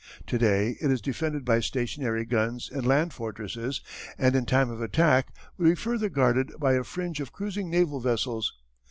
To day it is defended by stationary guns in land fortresses and in time of attack would be further guarded by a fringe of cruising naval vessels.